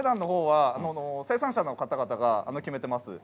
生産者の方々が決めています。